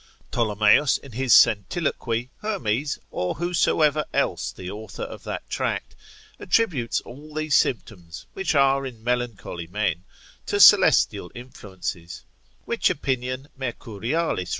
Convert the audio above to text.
Ptolomeus in his centiloquy, Hermes, or whosoever else the author of that tract, attributes all these symptoms, which are in melancholy men, to celestial influences: which opinion Mercurialis de affect, lib.